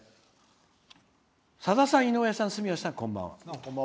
「さださん、住吉さん、井上さんこんばんは。